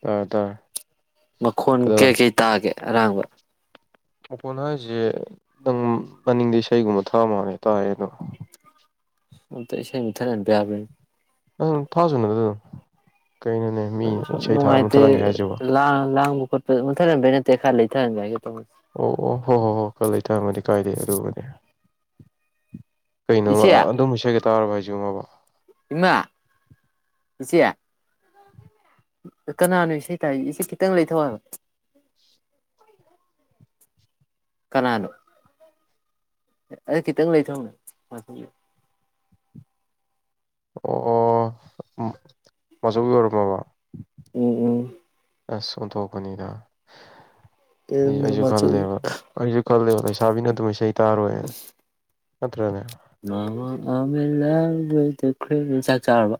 ꯇꯥꯔꯦ ꯇꯥꯔꯦ ꯃꯈꯣꯟ ꯀꯩ ꯀꯩ ꯇꯥꯒꯦ ꯑꯔꯥꯡꯕ ꯑꯣꯄꯣꯟ ꯍꯥꯏꯔꯤꯁꯦ ꯅꯪ ꯃꯅꯤꯡꯗꯤ ꯏꯁꯩꯒꯨꯝꯕ ꯊꯥꯃꯅꯦ ꯇꯥꯏꯌꯦ ꯑꯗꯣ ꯑꯃ ꯇ ꯏꯁꯧ ꯃꯨꯊꯠ ꯍꯟꯄ ꯌꯥꯕ ꯑ ꯊꯥꯁꯨꯅ ꯗꯨꯝ ꯁ ꯅꯨꯡꯉꯥꯏꯇꯦ ꯂ ꯂꯥꯡ ꯈꯣꯠ ꯃꯨꯊꯠꯍꯟꯕꯒꯤ ꯅꯠꯇꯦ ꯈꯔ ꯂꯩꯊꯍꯟꯕ ꯍꯥꯏꯒ ꯇꯧꯕꯅꯤ ꯑꯣ ꯑꯣ ꯍꯣꯏ ꯍꯣꯏ ꯍꯣꯏ ꯈꯔ ꯂꯩꯊ ꯍꯟꯃꯗꯤ ꯀꯥꯏꯗꯦ ꯑꯗꯨꯔꯨꯕꯅꯦ ꯀꯩꯅꯣꯃ ꯏꯆꯦ ꯑꯗꯨꯝ ꯏꯁꯩꯒ ꯇꯥꯔꯕ ꯍꯥꯏꯁꯦ [unintelligible] ꯏꯃꯥ ꯏꯆꯦ ꯀꯅꯥꯅꯣ ꯏꯁꯩ ꯇꯥꯏꯁꯦ ꯈꯤꯇꯪ ꯂꯩꯊꯧ ꯍꯥꯏꯌꯣ ꯀꯅꯥꯅꯣ ꯑꯗꯨ ꯈꯤꯇꯪ ꯂꯩꯊꯧꯅꯦ ꯑꯣ ꯑꯣ ꯃꯆꯧꯕꯤ ꯑꯣꯏꯔꯝꯃꯕꯣ ꯎꯝ ꯎꯝ ꯑꯂ ꯑꯣꯟꯊꯣꯛꯄꯅꯤꯗ ꯎꯝ ꯑꯩꯁꯨ ꯃꯆꯨ ꯀꯜꯂꯦꯕ ꯑ ꯀꯜꯂ ꯍꯂꯦ ꯁꯥꯕꯤꯅ ꯑꯗꯨꯝ ꯏꯁꯩ ꯇꯥꯔꯣꯏ ꯑꯠꯇꯅꯦ ꯃꯃ ꯂꯈꯣꯏ ꯆꯥꯛ ꯆꯥꯔꯕ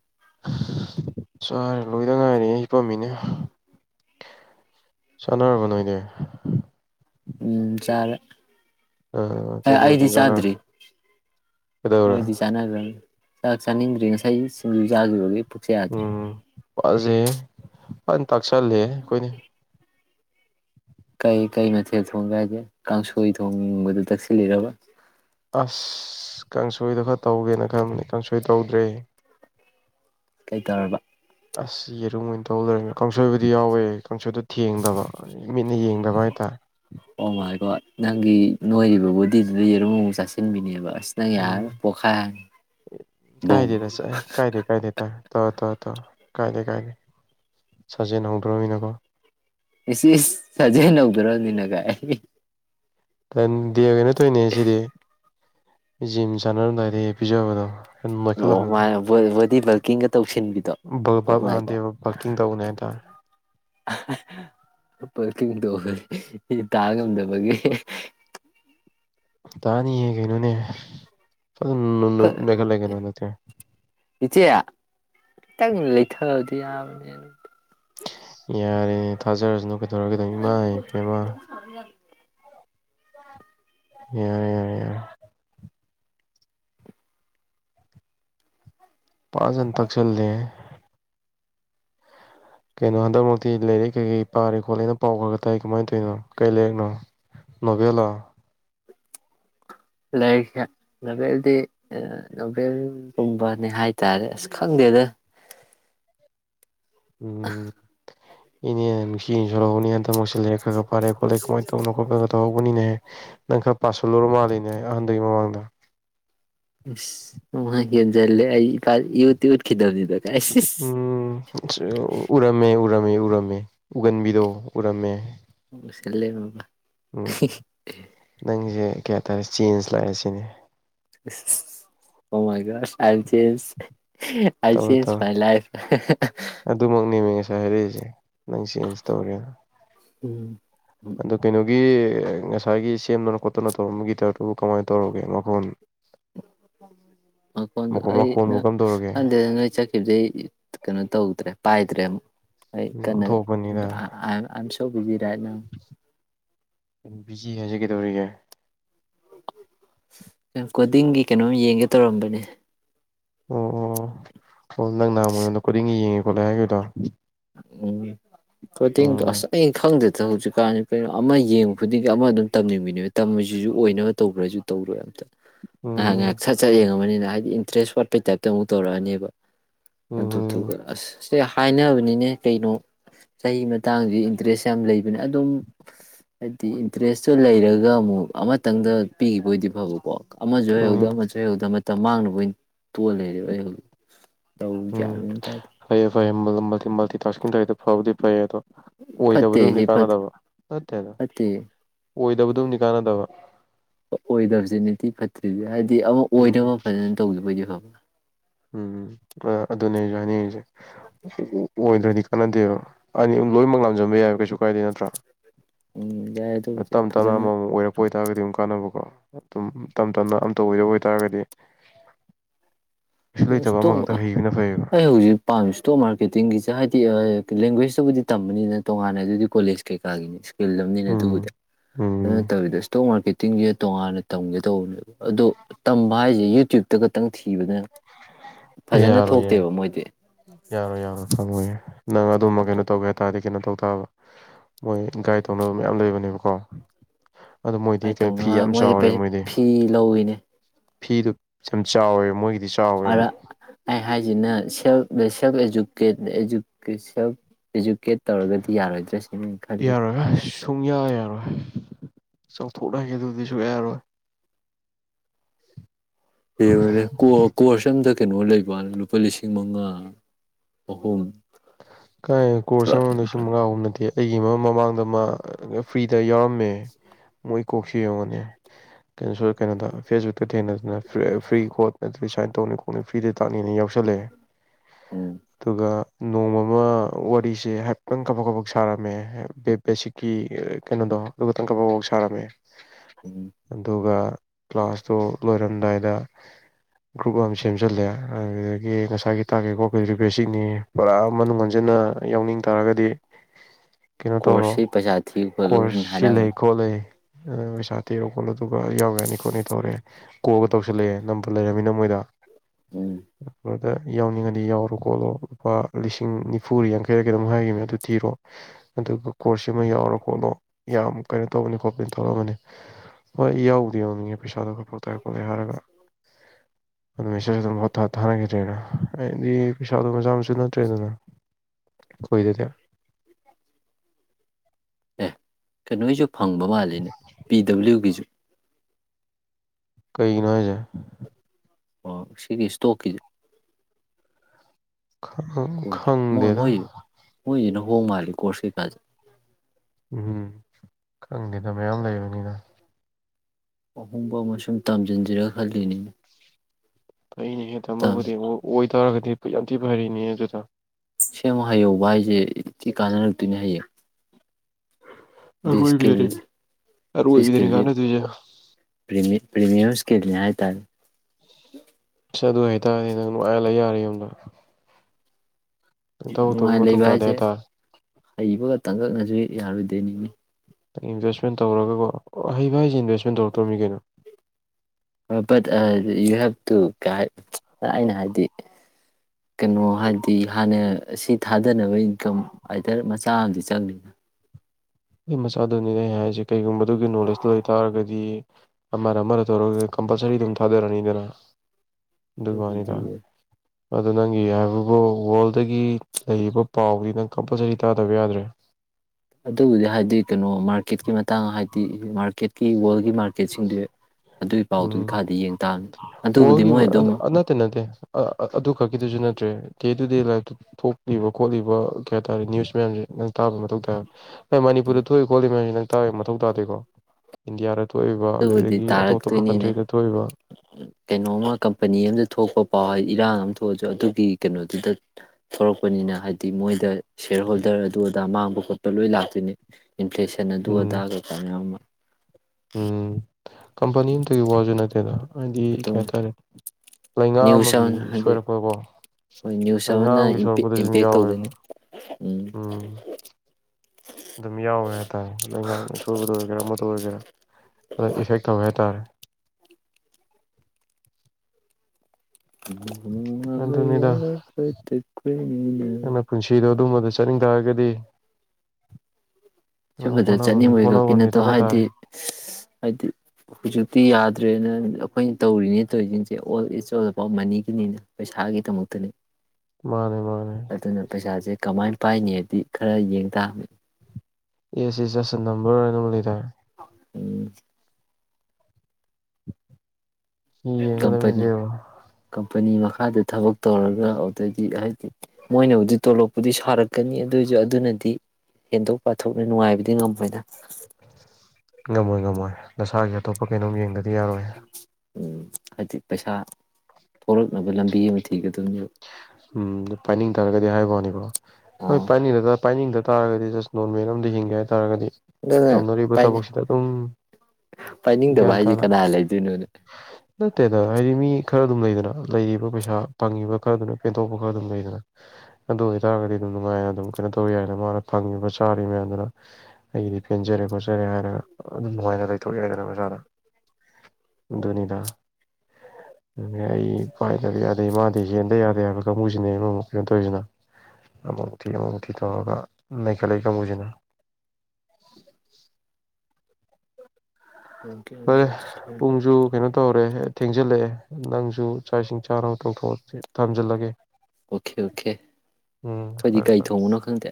ꯆꯥꯔꯦ ꯂꯣꯏꯗ ꯉꯥꯏꯔꯦ ꯑꯩ ꯍ ꯄꯝꯃꯤꯅꯦ ꯆꯥꯅꯔꯕ ꯅꯣꯏꯗꯤ ꯎꯝ ꯆꯔ ꯑ ꯑ ꯀꯩꯀꯩ ꯑꯩꯗꯤ ꯃꯊꯦꯜ ꯆꯥꯅꯔꯦ ꯆꯥꯗ꯭ꯔꯤ ꯀꯩꯗꯧꯔꯦ ꯃꯣꯏꯗꯤ ꯆꯥꯟꯅꯈ꯭ꯔꯅꯤ ꯆꯥ ꯆꯥꯅꯤꯡ ꯏꯗ꯭ꯔꯤꯅꯁꯥꯏ ꯁꯤꯁꯤꯡꯖ ꯥꯖꯣꯦ ꯎꯝꯁꯦ ꯐꯅ ꯇꯥꯛꯁꯜꯂ ꯑꯩꯈꯣꯏꯅꯦ ꯀꯩ ꯀꯩ ꯃꯊꯦꯜ ꯊꯣꯡꯒꯦ ꯍꯥꯏꯒꯦ ꯀꯥꯡꯁꯣꯏ ꯊꯣꯡꯕꯗ ꯇꯛꯁꯤꯜꯂꯤꯔꯕ ꯑꯁ ꯀꯥꯡꯁꯣꯏꯗꯣ ꯈꯔ ꯇꯧꯒꯦꯅ ꯈꯟꯕꯅꯤ ꯀꯥꯡꯁꯣꯏ ꯇꯧꯗ꯭ꯔꯦ ꯑꯣꯏ ꯇꯔꯕ ꯑꯁ ꯌꯦꯔꯨꯡ ꯑꯣꯏꯅ ꯇꯧ ꯂꯩꯔ ꯀꯥꯡꯁꯣꯏꯕꯨꯗꯤ ꯌꯥꯎꯋꯦ ꯀꯥꯡꯁꯣꯏꯗ ꯊꯦꯡꯗꯕ ꯃꯤꯠꯅ ꯌꯦꯡꯗꯕ ꯍꯥꯏꯇꯥꯔꯦ ꯑꯣ ꯃꯥꯥꯏꯀꯣ ꯅꯪꯒꯤ ꯅꯣꯏꯔꯤꯕ ꯕꯣꯗꯤꯗꯨꯗ ꯌꯦꯔꯨꯝ ꯑꯃꯨꯛ ꯆꯥꯁꯤꯟꯕꯤꯅꯦꯕ ꯑꯁ ꯅꯪ ꯎꯝ ꯌꯥꯔꯔꯣꯏ ꯄꯣꯛꯈꯥꯏꯔꯅꯤ ꯕꯨꯝ ꯀꯥꯏꯗ ꯇ ꯀꯥꯏꯗ ꯀꯥꯏ ꯗꯦ ꯇ ꯇ ꯇ ꯑ ꯀꯥꯏꯗꯦ ꯀꯥꯏꯗꯦ ꯁꯥꯖꯦꯟ ꯍꯧꯗ꯭ꯔꯣꯃꯤꯅꯀꯣ ꯏ ꯁꯥꯖꯦꯟ ꯍꯧꯗ꯭ꯔꯕꯅꯤꯅ ꯀꯥꯏ ꯗꯦ ꯀꯩꯅꯣ ꯇꯣꯏꯅꯦ ꯁꯤꯗꯤ ꯖꯤꯝ ꯁꯥꯟꯅꯔꯝꯗꯥꯏꯗ ꯍꯦꯛ ꯄꯤꯖꯕꯗꯣ ꯅꯣꯏꯈꯠꯂꯝꯕꯗꯣ ꯑꯣ ꯕꯣꯗꯤ ꯕꯔꯀꯤꯡꯒ ꯇꯧꯁꯤꯟꯕꯤꯗꯣ ꯕꯜ ꯕꯜ ꯄꯃꯥꯏꯗ ꯗꯦꯕ ꯕꯜꯀꯤꯡ ꯇꯧꯕꯅꯦ ꯍꯥꯏꯇꯥꯔꯦ ꯔꯀꯤꯡ ꯇ ꯇꯥ ꯉꯝꯗꯕꯒꯤ ꯇꯥꯅꯤ ꯍꯥꯏ ꯀꯩꯅꯣꯅꯦ ꯑꯗꯨꯝ ꯅꯣꯏꯈꯠꯂꯦ ꯀꯩꯅꯣ ꯍꯟꯗꯛꯇꯤ ꯏꯆꯦ ꯈꯤꯇꯪ ꯂꯩꯊꯕꯗꯤ ꯌꯥꯕꯅꯦ ꯌꯥꯔ ꯇꯖꯔ ꯔꯅ ꯇꯧꯔꯒꯗꯪ ꯏꯃꯥ ꯏ ꯄꯃ ꯌꯥꯔ ꯌꯥꯔꯦ ꯌꯥꯔ ꯄꯥ ꯍꯟ ꯇꯛ ꯆꯜꯂꯦ ꯀꯩꯅꯣ ꯍꯟꯗꯛꯃꯛꯇꯤ ꯂꯥꯏꯔꯤꯛ ꯀꯩꯀꯩ ꯄꯥꯔꯦ ꯈꯣꯠꯂꯦꯅ ꯄꯥꯎ ꯈꯔꯒ ꯇꯥꯏ ꯀꯃꯥꯏꯅ ꯇꯧꯔꯤꯅꯣ ꯀꯩ ꯂꯩꯥꯏꯔꯤꯛꯅꯣ ꯅꯣꯚꯦꯜꯂꯥ ꯂꯥꯏꯔꯤꯛꯁ ꯅꯣꯚꯦꯜꯗꯤ ꯅꯣꯚꯦꯜꯒꯨꯝꯕꯅꯦ ꯍꯥꯏꯇꯥꯔꯦ ꯑꯁ ꯈꯪꯗꯦꯗ ꯎꯝ ꯏꯅꯦ ꯁꯅꯤ ꯑꯗꯨꯁꯤ ꯂꯩꯔꯦ ꯈ ꯐꯥꯔꯦ ꯈꯣꯠꯦꯃꯥꯏꯅ ꯇꯧꯅ ꯈꯣꯠꯒ ꯇꯍꯧꯕꯅꯦꯍ ꯅꯪꯈ ꯄꯥꯁꯁꯂꯣꯔꯣ ꯃꯥ ꯂꯩꯅꯦꯍꯗ ꯃꯃꯥꯡꯗ ꯌꯦꯖꯦ ꯀ ꯏꯠ ꯏꯠꯈꯤꯗꯕꯅꯤꯗ ꯀ-ꯁꯤꯁ ꯁꯤꯍ-ꯑ-ꯎꯔꯝꯃꯦ-ꯎꯔꯝꯃꯦ-ꯎꯔꯝꯃꯦ ꯎꯒꯟꯕꯤꯗꯣ ꯎꯔꯝꯃꯦ ꯑꯣꯁ ꯁꯤ ꯂꯩꯔꯝꯃꯥꯕ ꯎꯨꯝ-ꯅꯪꯁꯦ ꯀꯌꯥ ꯇꯥꯔꯦ ꯆꯦꯟꯖ ꯂꯥꯛꯑꯦ ꯁꯤꯅꯦ ꯏꯁ-ꯏꯁ ꯑꯣꯃꯥꯏ ꯒꯣꯗ ꯑꯥꯏ ꯑꯦꯝ ꯆꯦꯟꯁ ꯍ ꯑꯥꯏ ꯇꯧꯔꯦ ꯆꯦꯟꯁ ꯇꯧꯔꯦ ꯃꯥꯏ ꯂꯥꯏꯐ ꯑꯗꯨꯃꯛꯅꯦꯃꯤ ꯉꯁꯥꯏ ꯍꯥꯏꯔꯛꯏꯁꯦ ꯅꯪ ꯆꯦꯟꯖ ꯇꯧꯔꯒꯦ ꯍꯥꯏꯔꯣ ꯎꯝ ꯑꯗꯣ ꯀꯩꯅꯣ ꯒꯤ ꯉꯁꯥꯏꯒꯤ ꯁꯦꯝꯗꯅ ꯈꯣꯠꯇꯅ ꯇꯧꯔꯝꯕ ꯒꯤꯇꯔꯗꯨꯕꯨ ꯀꯃꯥꯏꯅ ꯇꯧꯔꯒꯦ ꯃꯈꯣꯟ ꯃꯈꯣꯟ ꯃꯈꯣꯟꯕꯨ ꯑꯩꯅ ꯀꯝꯗꯧꯔꯒꯦ ꯍꯟꯗꯦꯗ ꯅꯣꯏ ꯆꯠꯈꯤꯕꯗꯩ ꯑꯩ ꯀꯩꯅꯣ ꯇꯧꯗ꯭ꯔꯦ ꯄꯥꯏꯗ꯭ꯔꯦ ꯑꯃꯨꯛ ꯑꯩ ꯀꯟꯅ ꯑꯣꯟꯊꯣꯛꯄꯅꯤꯗ ꯑ ꯑ ꯑꯥꯝ ꯁꯣ ꯕꯤꯖꯤ ꯔꯥꯏꯇ ꯅꯥꯎ ꯌꯥꯝ ꯕꯤꯖꯤ ꯍꯥꯏꯖꯤ ꯀꯩꯗꯧꯔꯤꯒꯦ ꯀꯣꯗꯤꯡꯒꯤ ꯀꯩꯅꯣꯝ ꯌꯦꯡꯒꯦ ꯇꯧꯔꯝꯕꯅꯤ ꯑꯣ ꯑꯣ ꯑꯣ ꯅꯪ ꯅꯍꯥꯟ ꯃꯨꯛ ꯅꯈꯨꯠ ꯏꯪꯉꯤ ꯌꯦꯡꯉꯦ ꯈꯣꯠꯂꯦ ꯍꯥꯏꯈꯤꯕꯗꯣ ꯎꯨꯝ ꯐ꯭ꯂ‌ꯣꯇꯤꯡꯗꯣ ꯑꯁ ꯎꯝ ꯑꯩ ꯈꯪꯗꯦ ꯑꯗꯨ ꯍꯧꯖꯤꯛꯀꯥꯟꯁꯤ ꯀꯩꯅꯣ ꯑꯃ ꯌꯦꯡꯕ ꯈꯨꯗꯤꯡꯒꯤ ꯑꯃ ꯑꯗꯨꯝ ꯇꯝꯅꯤꯡꯕꯤꯅꯦꯃꯤ ꯇꯝꯃꯤꯁꯤꯁꯨ ꯑꯣꯏꯅꯕ ꯇꯧꯕ꯭ꯔꯥꯁꯨ ꯇꯧꯔꯣꯏ ꯑꯝꯇ ꯉꯥꯏꯍꯥꯛ ꯎꯝ ꯉꯥꯏꯍꯥꯛ ꯁꯠ ꯁꯠ ꯌꯦꯡꯉꯝꯃꯥꯅꯤꯅ ꯍꯥꯏꯗꯤ ꯏꯟꯇꯔꯦꯁ ꯋꯥꯠꯄꯩ ꯇꯥꯏꯞꯇ ꯑꯃꯨꯛ ꯇꯧꯔꯛꯑꯅꯦꯕ ꯎꯝ ꯑꯗꯨꯗꯨꯒꯥ ꯑꯁ ꯁꯦ-ꯍꯥꯏꯅꯕ ꯅꯤꯅꯦ ꯀꯩꯅꯣ ꯆꯍꯤ ꯃꯇꯥꯡꯁꯤ ꯏꯟꯇꯔꯦꯁ ꯌꯥꯝ ꯂꯩꯕꯅꯦ ꯑꯗꯨꯝ ꯍꯥꯏꯗꯤ ꯏꯟꯇꯔꯦꯁꯇꯨ ꯂꯩꯔꯒ ꯑꯃꯨꯛ ꯑꯃꯇꯪꯗ ꯄꯤꯈꯤꯕꯣꯏꯗꯤ ꯐꯕꯀꯣ ꯑꯃꯁꯨ ꯍꯩꯍꯧꯗ ꯎꯝ ꯑꯃꯁꯨ ꯍꯩꯍꯧꯗ ꯇ ꯃꯥꯡꯅꯕ ꯑꯣꯏꯅ ꯇꯣꯛꯑ ꯂꯩꯔꯦꯕ ꯑꯩ ꯍꯧꯖꯤꯛ ꯇꯧ ꯎꯝ ꯒ꯭ꯌꯥꯟ ꯃꯦꯟ ꯇꯥꯗꯦ ꯐꯩꯌꯦ ꯐꯩꯌꯦ ꯃꯗꯨꯃꯒꯝ ꯇꯥꯁꯀꯤꯡ ꯇꯧꯔꯤꯗꯣ ꯐꯥꯎꯗꯤ ꯐꯩ ꯑꯗꯣ ꯐꯠꯇꯦ ꯑꯣꯏꯗꯕꯗꯨꯝꯗꯤ ꯁꯤ ꯐꯠ ꯀꯥꯟꯅꯗꯕ ꯅꯠꯇꯦꯗ ꯐꯠꯇꯦ ꯑꯣꯏꯗꯕꯗꯨꯝꯗꯤ ꯀꯥꯟꯅꯗꯕ- ꯇ꯭ꯔꯤꯁꯤ ꯍꯥꯏꯗꯤ ꯗꯤ ꯑꯃ ꯑꯣꯏꯅꯕ ꯑꯃ ꯐꯖꯅ ꯇꯧꯗꯕꯩꯗꯤ ꯐꯕ ꯎꯨꯝ ꯑꯗꯨꯅꯦ ꯑꯩꯁꯨ ꯍꯥꯏꯅꯤꯡꯉꯁꯦ ꯍ ꯎ ꯑꯣꯏꯗ꯭ꯔꯗꯤ ꯀꯥꯟꯅꯗꯦꯕ ꯑꯅꯤ ꯂꯣꯏꯅꯃꯛ ꯉꯝꯖꯟꯕ ꯌꯥꯏꯕ ꯀꯩꯁꯨ ꯀꯥꯏꯗ ꯅꯠꯇ꯭ꯔꯥ ꯎꯝ ꯌꯥꯏ ꯇꯞ ꯑꯗꯨꯕꯨꯗꯤ ꯇꯞꯅ ꯐꯖꯅ ꯑꯃꯃꯝ ꯑꯣꯏꯔꯛꯄ ꯑꯣꯏꯇꯥꯔꯒꯗꯤ ꯑꯗꯨꯝ ꯀꯥꯟꯅꯕꯀꯣ ꯑꯗꯨꯝ ꯇꯞ ꯇꯞꯅ ꯑꯝꯇꯧꯕ ꯑꯣꯏꯗꯧ ꯑꯣꯏꯇꯥꯔꯒꯗꯤ ꯀꯩꯁꯨ ꯂꯩꯇꯕ ꯑꯃꯈꯛꯇ ꯏꯁꯇꯣꯛ ꯍꯩꯕꯅ ꯐꯩꯌꯦꯕ ꯑꯩ ꯍꯧꯖꯤꯛ ꯄꯥꯝꯃꯤꯁꯤ ꯏꯁꯇꯣꯛ ꯃꯥꯔꯀꯦꯇꯤꯡꯒꯤꯁꯦ ꯍꯥꯏꯗꯤ ꯂꯦꯡꯒ꯭ꯋꯦꯖꯇꯨꯕꯨꯗꯤ ꯇꯝꯃꯥꯅꯤꯅꯦ ꯇꯣꯉꯥꯟꯅ ꯑꯗꯨꯗꯤ ꯀꯣꯂꯦꯖ ꯀꯩꯀꯥꯒꯤꯅꯤ ꯑꯃꯅꯤꯅꯤꯅ ꯑꯗꯨꯕꯨꯗꯤ ꯎꯝ ꯑꯗꯨꯅ ꯎꯝ ꯇꯧꯔꯤꯗꯣ ꯏꯁꯇꯣꯛ ꯃꯥꯔꯀꯦꯠ ꯇꯤꯡꯁꯦ ꯇꯣꯉꯥꯟꯅ ꯇꯝꯒꯦ ꯇꯧꯕꯅꯦ ꯑꯗꯣ ꯇꯝꯕ ꯍꯥꯏꯁꯦ ꯌꯨꯇ꯭ꯌꯨꯕꯇ ꯈꯛꯇꯪ ꯊꯤ ꯏꯕꯅ ꯐꯖꯅ ꯌꯥꯔꯣꯏꯌꯦ ꯊꯣꯛꯇꯦꯕ ꯃꯣꯏꯗꯤ ꯌꯥꯔꯣꯏ ꯌꯥꯔꯣꯏ ꯐꯪꯉꯣꯏꯌꯦ ꯅꯪ ꯑꯗꯨꯃ ꯑꯗꯣ ꯀꯩꯅꯣ ꯇꯧꯒꯦ ꯇꯥꯔꯗꯤ ꯀꯩꯅꯣ ꯇꯧ ꯇꯥꯕꯔ ꯃꯣꯏ ꯒꯥꯏꯗ ꯇꯧꯅꯕ ꯃꯌꯥꯝ ꯂꯩꯕꯅꯦꯕꯀꯣ ꯑꯗꯣ ꯀꯥꯏ ꯃꯣꯏꯗꯤ ꯀꯩ ꯐꯤ ꯇꯧꯅꯉꯥꯏ ꯌꯥꯝ ꯃꯣꯏꯗꯤ ꯆꯥꯎꯋꯦ ꯄꯩꯁꯥ ꯐꯤ ꯂꯧꯏꯅꯦ ꯐꯤꯗꯨ ꯌꯥꯝ ꯆꯥꯎꯋꯦꯕ ꯃꯣꯏꯒꯤꯗꯤ ꯑꯗ ꯑꯩ ꯍꯥꯏꯁꯤꯅ ꯁꯦꯜ ꯁꯦꯜꯐ ꯑꯦꯖꯨꯀꯦꯠ ꯑꯦꯖꯨꯀꯦ ꯁꯦꯜꯐ ꯏꯖꯨꯀꯦꯠ ꯇꯧꯔꯒꯗꯤ ꯌꯥꯔꯣꯏꯗ꯭ꯔꯁꯤꯅ ꯈꯜꯂꯤ ꯌꯥꯔꯣꯏ ꯁꯨꯡꯌꯥ ꯌꯥꯔꯣꯏ ꯆꯥꯎꯊꯣꯛꯅꯒꯦ ꯑꯗꯨꯗꯤ ꯁꯨꯡꯌꯥ ꯌꯥꯔꯣꯏ ꯌꯦꯡꯉꯨꯅꯦ ꯀꯣ ꯀꯣꯔ꯭ꯁ ꯑꯝꯗ ꯀꯩꯅꯣ ꯂꯩꯕꯋꯥꯟ ꯂꯨꯄꯥ ꯂꯤꯁꯤꯡ ꯃꯉꯥ ꯑꯍꯨꯝ ꯀꯥꯏ ꯀꯣꯔ꯭ꯁ ꯑꯃꯗ ꯂꯤꯁꯤꯡ ꯃꯉꯥ ꯑꯍꯨꯝ ꯅꯠꯇꯦ ꯑꯩꯒꯤ ꯃ ꯃꯃꯥꯡꯗ ꯃ ꯐ꯭ꯔꯤ ꯗ ꯌꯥꯎꯔꯝꯃꯦ ꯃꯣꯏ ꯀꯣꯛꯁꯤ ꯌꯦꯡꯉꯨꯅꯦ ꯀꯩꯝ ꯁꯣꯏ ꯀꯩꯅꯣꯗ ꯐꯦꯁꯕꯨꯛꯇ ꯊꯦꯡꯅꯗꯅ ꯐ꯭ꯔꯤ ꯀꯣꯠ ꯅꯠꯇ꯭ꯔ ꯁꯥꯏꯅ ꯇꯧꯅꯤ ꯀꯣꯟꯅ ꯐꯤꯗ ꯇꯥꯛꯅꯤꯅ ꯌꯥꯎꯁꯟ ꯆꯠꯂꯦ ꯎꯝ ꯑꯗꯨꯒ ꯅꯣꯡꯃ ꯑꯃ ꯋꯥꯔꯤꯁꯦ ꯍꯥꯏꯐꯦꯠꯇꯪ ꯀꯐꯛ ꯀꯐꯛ ꯁꯥꯔꯝꯃꯦ ꯕꯦ ꯕꯦꯁꯤꯛꯀꯤ ꯀꯩꯅꯣꯗꯣ ꯑꯗꯨ ꯇꯪ ꯀꯕꯨꯛ ꯀꯕꯨꯛ ꯁꯥꯔꯝꯃꯦ ꯎꯝ ꯑꯗꯨꯒ ꯀ꯭ꯂꯥꯁꯇꯣ ꯂꯣꯏꯔꯝꯗꯥꯏꯗ ꯒ꯭ꯔꯨꯞ ꯑꯃ ꯁꯦꯝꯖꯤꯜꯂꯦ ꯑꯗꯨꯗꯒꯤ ꯉꯁꯥꯏꯒꯤ ꯇꯥꯒꯤ ꯀꯣꯒꯤꯗꯣꯁꯤꯅꯤ [unintelligible] ꯄꯨꯔꯥ ꯃꯅꯨꯡ ꯍꯟꯖꯤꯟꯅ ꯌꯥꯎꯅꯤꯡ ꯇꯥꯔꯒꯗꯤ ꯀꯩꯅꯣ ꯇꯧꯔꯣ ꯀꯣꯔꯁꯁꯤ ꯄꯩꯁꯥ ꯊꯤꯌꯨ ꯀꯣꯔ꯭ꯁ ꯈꯣꯠꯂꯨꯅ ꯁꯤ ꯂꯩ ꯍꯥꯏꯔꯝꯃꯅꯤ ꯈꯣꯠ ꯂꯩ ꯑꯥ ꯄꯩꯁꯥ ꯊꯤꯔꯣ ꯈꯣꯠꯂꯣ ꯑꯗꯨꯒ ꯑꯩ ꯌꯥꯎꯔꯒꯦ ꯈꯣꯠꯅꯦ ꯇꯧꯔꯦ ꯀꯣꯜ ꯇꯧꯁꯤꯜꯂꯦ ꯅꯝꯕꯔ ꯂꯩꯔꯃꯤꯅ ꯃꯣꯏꯗ ꯎꯝ [unintelligible] ꯇ ꯌꯥꯎꯅꯤꯡꯉꯗꯤ ꯌꯥꯎꯔꯣꯈꯣꯠꯂꯣ ꯋꯥ ꯂꯤꯁꯤꯡ ꯅꯤꯐꯨ ꯌꯥꯡꯈꯩꯔ ꯀꯩꯅꯣꯝ ꯍꯥꯏꯒꯤꯃꯦ ꯑꯗꯨ ꯊꯤꯔꯣ ꯑꯗꯨꯒ ꯀꯣꯔꯁ ꯁꯤꯃ ꯌꯥꯎꯔꯣ ꯈꯣꯠꯂꯣ ꯌꯥꯝ ꯀꯩꯅꯣ ꯇꯧꯕꯅꯦ ꯈꯣꯠꯄꯅꯦ ꯇꯧꯔꯃꯅꯦ ꯍꯣꯏ ꯌꯥꯎꯕꯨꯗꯤ ꯌꯥꯎꯅꯤꯡꯉꯦ ꯄꯩꯁꯥꯗꯣ ꯈꯔꯥ ꯐ [unintelligible] ꯑꯗꯨ ꯃꯦꯁꯦꯁ ꯗꯨꯝ ꯊꯥ ꯊꯥꯈꯤꯗ꯭ꯔꯦꯅ ꯑꯩꯗꯤ ꯄꯩꯁꯥꯗꯨ ꯃꯆꯥ ꯃꯁꯨ ꯑꯗꯨ ꯅꯠꯇ꯭ꯔꯦꯗꯅ ꯈꯣꯏꯗꯗꯤ ꯀꯩꯅꯣ ꯖꯨ ꯐꯪꯕ ꯃꯥꯜꯂꯤꯅꯦ ꯄꯤ ꯗꯕꯂ꯭ꯌꯨꯒꯤꯁꯨ ꯀꯩꯅꯣ ꯍꯥꯏꯖꯦ ꯑꯣ ꯁꯤꯒꯤ ꯁ꯭ꯇꯣꯛꯀꯤ ꯈꯪ ꯈꯪꯗꯦꯗ [unintelligible] ꯃꯥꯂꯤ ꯀꯣꯁ ꯀꯩꯀꯥꯁꯦ ꯎꯝ ꯈꯪꯗꯦꯗ ꯃꯌꯥꯝ ꯂꯩꯕꯅꯤꯅ ꯑꯍꯣꯡꯕ ꯑꯃ ꯁꯨꯝ ꯇꯥꯝꯖꯤꯟꯁꯤꯔ ꯍꯜꯂꯤꯅꯤ ꯑꯩꯅ ꯍꯦꯠ ꯑꯃꯕꯨꯗꯤ ꯑꯣꯏ ꯇꯔꯒꯗꯤ ꯌꯥꯝ ꯊꯤ ꯐꯔꯤꯅꯦ ꯑꯗꯨꯗ ꯁꯦꯃ ꯍꯩꯍꯧꯕ ꯍꯥꯏꯁꯦ ꯊꯤ ꯀꯥꯟꯅꯔꯛꯇꯣꯏꯅꯦ ꯍꯌꯦꯡ ꯗꯤ ꯏꯁꯀꯤꯜ ꯑꯔꯣꯏꯕꯤꯗꯅꯤ ꯁꯤ ꯑꯔꯣꯏꯕꯤꯗꯅꯤ ꯏꯁꯀꯤꯜꯁꯤ ꯀꯥꯟꯅꯗꯣꯏꯁꯦ ꯄ꯭ꯔꯤꯃꯤꯠ ꯄ꯭ꯔꯤꯃꯤꯌꯝ ꯏꯁꯀꯤꯜꯅꯤ ꯍꯥꯏ ꯇꯥꯏ [inaudible] ꯑꯗꯨ ꯑꯣꯏꯇꯥꯔꯗꯤ ꯅꯪ ꯅꯨꯡꯉꯥꯏ ꯂꯩꯌꯥꯔꯦ ꯌꯨꯝꯗ ꯅꯪ ꯇꯧꯕꯒꯤ ꯅꯨꯡꯉꯥꯏꯅ ꯃꯊꯧ ꯂꯩꯕ ꯇꯥꯗꯦ ꯍꯥꯏꯁꯦ ꯍꯥꯏꯇꯥꯔꯦ ꯍꯩꯕꯒ ꯇꯪꯀꯛ ꯌꯥꯔꯣꯏꯗꯩꯩꯅꯤꯅꯤ ꯏꯟꯚꯦꯁꯃꯦꯟ ꯇꯧꯔꯒꯀꯣ ꯍꯩꯕ ꯍꯥꯏꯁꯦ ꯏꯟꯚꯦꯁꯃꯦꯟ ꯇꯧꯔꯛꯇꯧꯃꯤ ꯀꯩꯅꯣ ꯕꯠ ꯌꯨ ꯍꯦꯞ ꯇꯨ ꯑꯩꯅ ꯍꯥꯏꯗꯤ ꯀꯩꯅꯣ ꯍꯥꯏꯗꯤ ꯍꯥꯟꯅ ꯁꯤ ꯊꯥꯗꯅꯕ ꯏꯟꯀꯝ ꯑꯥꯏꯗꯔ ꯃꯆꯥ ꯑꯝꯗꯤ ꯆꯪꯅꯤ ꯃꯆꯥꯗꯨꯅꯤꯗ ꯑꯩꯅ ꯍꯥꯏꯖꯦ ꯀꯩꯒꯨꯝꯕꯗꯨꯒꯤ ꯅꯣꯂꯦꯖꯇꯨ ꯂꯩꯇꯥꯔꯒꯗꯤ ꯑꯃꯅ ꯑꯃꯅ ꯇꯧꯔꯒ ꯀꯝꯄꯜꯁꯔꯤꯗꯨꯝ ꯊꯥꯗꯔꯅꯤꯗꯅ ꯑꯗꯨꯗꯤ ꯑꯗꯨ ꯅꯪꯒꯤ ꯍꯥꯏꯕꯕꯨ ꯋꯥꯔꯜꯗꯒꯤ ꯂꯩꯔꯤꯕ ꯄꯥꯎꯗꯤ ꯅꯪ ꯀꯝꯄꯜꯁꯔꯤ ꯇꯥꯗꯕ ꯌꯥꯗ꯭ꯔꯦ ꯑꯗꯨꯕꯨꯗꯤ ꯍꯥꯏꯗꯤ ꯀꯩꯅꯣ ꯃꯥꯔꯀꯦꯠꯀꯤ ꯃꯇꯥꯡ ꯍꯥꯏꯗꯤ ꯃꯥꯔꯀꯦꯠꯀꯤ ꯋꯥꯔꯜꯒꯤ ꯃꯥꯔꯀ ꯁꯤꯡꯗꯨ ꯑꯗꯨꯒꯤ ꯄꯥꯎꯗꯨ ꯎꯝ ꯈꯥꯗꯤ ꯌꯦꯡ ꯇꯥꯕꯅꯤ ꯑꯗꯨꯕꯨꯗꯤ ꯋꯥꯔꯜꯒꯤ ꯃꯣꯏ ꯋꯥꯔ ꯑꯗꯨꯝ ꯑꯗ ꯑ ꯅꯠꯇꯦ ꯅꯠꯇꯦ ꯑꯗꯨ ꯈꯛꯀꯤꯗꯨꯁꯨ ꯅꯠꯇ꯭ꯔꯦ ꯗꯦ ꯇꯨ ꯗꯦ ꯂꯥꯏꯐꯇ ꯊꯣꯛꯂꯤꯕ ꯈꯣꯠꯂꯤꯕ ꯀꯩ ꯍꯥꯏꯇꯥꯔꯦ ꯅ꯭ꯌꯨꯁ ꯃꯌꯥꯝꯁꯦ ꯅꯪ ꯇꯥꯕ ꯃꯊꯧ ꯇꯥꯏ ꯃꯅꯤꯄꯨꯔ ꯊꯣꯏ ꯀꯣꯠꯂꯤ ꯇꯥꯕꯩ ꯃꯊꯧ ꯇꯥꯗꯦꯀꯣ ꯏꯟꯗꯤꯌꯥꯗ ꯊꯣꯛꯏꯕ ꯑꯗꯨꯕꯨꯗꯤ ꯑꯗꯨꯗꯒꯤ ꯑꯇꯣꯞ ꯑꯇꯣꯞꯄ ꯇꯥꯔꯛꯇꯣꯏꯅꯤꯅꯦ ꯀꯟꯇ꯭ꯔꯤꯗ ꯊꯣꯛꯏꯕ ꯀꯩꯅꯣꯝꯃ ꯀꯝꯄꯅꯤ ꯑꯃꯗ ꯊꯣꯛꯄ ꯄꯥꯎ ꯍꯥꯏ ꯏꯔꯥꯡ ꯑꯃ ꯊꯣꯛꯑꯁꯨ ꯑꯗꯨꯒꯤ ꯀꯩꯅꯣꯗꯨꯗ ꯊꯣꯛꯂꯛꯄꯅꯤꯅ ꯍꯥꯏꯗꯤ ꯃꯣꯏꯗ ꯁꯤꯌꯔ ꯍꯣꯜꯗꯔ ꯑꯗꯨ ꯑꯗꯥ ꯃꯥꯡꯕ ꯈꯣꯠꯄ ꯂꯣꯏ ꯂꯥꯛꯇꯣꯏꯅꯦ ꯏꯟꯐ꯭ꯂꯦꯁꯟ ꯑꯗꯨ ꯎꯝ ꯑꯗꯥꯒ ꯀ ꯃꯌꯥꯝ ꯑꯃ ꯎꯝ ꯀꯝꯄꯅꯤ ꯑꯃꯇꯒꯤ ꯋꯥꯔꯖ ꯅꯠꯇꯦꯗ ꯍꯥꯏꯗꯤ ꯀꯩ ꯑꯗꯨꯝ ꯍꯥꯏꯇꯥꯔꯦ ꯂꯩꯉꯥꯛ ꯅ꯭ꯌꯨꯁ ꯑꯃꯒꯤ ꯑꯃ ꯍꯥꯏꯗꯤ ꯁꯣꯏꯔꯛꯄꯀꯣ ꯍꯣꯏ ꯅ꯭ꯌꯨꯁ ꯂꯩꯉꯥꯛ ꯑꯃꯅ ꯑꯃꯒꯤ ꯏꯝꯄꯦꯛ ꯁꯣꯏꯔꯛꯄꯗꯁꯨ ꯑꯗꯨꯝ ꯏꯝꯄꯦꯛ ꯌꯥꯎꯋꯦꯕ ꯇꯧꯗꯣꯏꯅꯦ ꯎꯝ ꯑꯗꯨꯝ ꯌꯥꯎꯋꯦ ꯍꯥꯏꯇꯥꯔꯦ ꯂꯩꯉꯥꯛꯅ ꯑꯁꯣꯏꯕꯗ ꯑꯣꯏꯒꯦꯔꯥ ꯃ ꯑꯣꯏꯒꯦꯔꯥ ꯑꯗꯨꯅ ꯏꯐꯦꯛ ꯇꯧꯋꯦ ꯍꯥꯏꯇꯥꯔꯦ ꯑꯗꯨꯅꯤꯗ ꯅꯪꯅ ꯄꯨꯟꯁꯤꯗꯣ ꯑꯗꯨꯝꯕꯗ [inaudible] ꯆꯠꯅꯤꯡ ꯇꯔꯒꯗꯤ ꯁꯨꯝꯕꯗ ꯆꯠꯅꯤꯡꯕꯩ ꯀꯛꯀꯤ ꯅꯠꯇ ꯍꯥꯏꯗꯤ ꯇꯥꯔꯦ ꯍꯥꯏꯗꯤ ꯍꯧꯖꯤꯛꯇꯤ ꯌꯥꯗ꯭ꯔꯦ ꯑꯩꯈꯣꯏꯅ ꯇꯧꯔꯤꯅꯦ ꯇꯧꯔꯤꯁꯤꯡꯁꯦ ꯑꯣꯜ ꯏꯁ ꯑꯣꯜ ꯑꯐꯥꯎ ꯃꯅꯤꯒꯤꯅꯤꯅ ꯄꯩꯁꯥꯒꯤꯗꯃꯛꯇꯅꯤ ꯃꯥꯅꯦ ꯃꯥꯅꯦ ꯑ ꯑꯗꯨ ꯅ ꯄꯩꯁꯥꯁꯦ ꯀꯃꯥꯏ ꯄꯥꯏꯅꯦꯗꯤ ꯈꯔ ꯌꯦꯡ ꯇꯝꯃꯤ ꯌꯦꯁ ꯌꯦꯁ ꯑꯁ ꯅꯝꯕꯔ ꯑꯣꯏꯅꯅ ꯎ ꯂꯩꯗꯔꯦ ꯎꯝ ꯌꯦ ꯌꯦꯡꯉꯗ ꯃꯗꯦ ꯀꯝꯄꯅꯤ ꯋꯣ ꯀꯝꯄꯅꯤ ꯃꯈꯥꯗ ꯊꯕꯛ ꯇꯧꯔꯒ ꯑꯗꯨꯗꯗꯤ ꯍꯥꯏꯗꯤ ꯃꯣꯏꯅꯕꯨꯗꯤ ꯇꯣꯂꯣꯄꯗꯤ ꯁꯥꯔꯛꯀꯅꯤ ꯑꯗꯨꯏꯁꯨ ꯑꯗꯨꯅꯗꯤ ꯍꯦꯟꯗꯣꯛ ꯄꯥꯊꯣꯛꯅ ꯅꯨꯡꯉꯥꯏꯕꯗꯤ ꯉꯝꯃꯣꯏꯗ ꯉꯃꯣꯏ ꯉꯃꯣꯏ ꯅꯁꯥꯒꯤ ꯑꯇꯣꯞꯄ ꯀꯩꯅꯣꯝ ꯌꯦꯡꯗꯗꯤ ꯌꯥꯔꯣꯏ ꯎꯝ ꯍꯥꯏꯗꯤ ꯄꯩꯁꯥ ꯊꯣꯔꯛꯅꯕ ꯂꯝꯕꯤ ꯑꯃ ꯊꯤꯒꯗꯝ ꯎꯝ ꯑꯗꯨ ꯄꯥꯏꯅꯤꯡ ꯇꯥꯔꯒꯗꯤ ꯍꯥꯏꯕ ꯋꯥꯅꯤꯀꯣ ꯍꯣꯏ ꯑꯥ ꯄꯅꯤ ꯂꯩ ꯇ ꯄꯥꯏꯅꯤꯡꯗ ꯇꯥꯔꯒꯗꯤ ꯖꯁ ꯅꯣꯔꯃꯦꯜ ꯑꯝꯗ ꯍꯤꯡꯒꯦ ꯍꯥꯏꯇꯥꯥꯔꯒꯗꯤ ꯑꯗꯨꯅ ꯄꯥꯏ ꯄꯥꯏꯅꯤꯡꯗꯕ ꯒ꯭ꯌꯥꯟ ꯍꯥꯏꯁꯦ ꯇꯥꯅ ꯀꯅꯥ ꯂꯩꯗꯣꯏꯅꯣꯅ ꯅꯠꯇꯦꯗ ꯍꯥꯏꯗꯤ ꯃꯤ ꯈꯔ ꯑꯗꯨꯝ ꯂꯩꯗꯅ ꯂꯩꯔꯤꯕ ꯄꯩꯁꯥ ꯐꯪꯉꯤꯕ ꯈꯔꯗꯨꯅ ꯐꯦꯟꯗꯣꯛꯄ ꯈꯔ ꯑꯗꯨꯝ ꯂꯩꯗꯅ ꯑꯗꯨ ꯑꯣꯏꯇꯥꯔꯒꯗꯤ ꯑꯗꯨꯝ ꯅꯨꯡꯉꯥꯏꯅ ꯑꯗꯨꯝ ꯀꯩꯅꯣ ꯇꯧ ꯌꯥꯏꯗꯅ ꯃꯥꯅ ꯐꯪꯉꯤꯕ ꯆꯥꯔꯤ ꯃꯌꯥꯝꯗꯨꯅ ꯑꯩꯒꯤꯗꯤ ꯄꯦꯟꯖꯔꯦ ꯈꯣꯠꯆꯔꯦ ꯍꯥꯏꯔꯒ ꯑꯗꯨꯝ ꯅꯨꯡꯉꯥꯏꯅ ꯂꯩꯊꯣꯛ ꯌꯥꯏꯗꯅ ꯃꯖꯥꯗ ꯑꯗꯨꯅꯤꯗ ꯑꯩ ꯄꯥꯏꯗꯕ ꯌꯥꯗꯦ ꯃꯥꯗꯤ ꯍꯦꯟꯗ ꯌꯥꯗꯦ ꯍꯥꯏ ꯀꯥꯡꯕꯨꯁꯤꯅꯦ ꯑꯃꯃꯨ ꯀꯩꯅꯣ ꯇꯧꯔꯤꯁꯤꯅ ꯑꯃꯨꯊꯤ ꯑꯃꯨ ꯊꯤ ꯇꯧꯔꯒ ꯂꯩꯩꯈꯠꯂꯛꯏ ꯀꯥꯡꯕꯨꯁꯤꯅ ꯑꯣꯀꯦ ꯑꯣꯀꯦ ꯐꯔꯦ ꯄꯨꯡꯁꯨ ꯀꯩꯅꯣ ꯇꯧꯔꯦ ꯊꯦꯡꯖꯤꯜꯂꯛꯑꯦ ꯅꯪꯁꯨ ꯆꯥꯛ ꯏꯁꯤꯡ ꯆꯥꯔꯃ ꯇꯣꯡꯊꯣꯛꯑ ꯊꯝꯖꯤꯜꯂꯒꯦ ꯑꯣꯀꯦ ꯑꯣꯀꯦ ꯎꯝ ꯑꯩꯗꯤ ꯐꯔꯦ ꯀꯩ ꯐꯔꯦ ꯊꯣꯡꯕꯅꯣ ꯈꯪꯗꯦ